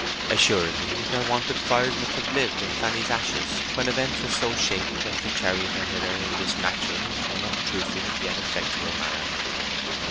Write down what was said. Assuredly their wonted fires must have lived in Fanny's ashes when events were so shaped as to chariot her hither in this natural, unobtrusive, yet effectual manner.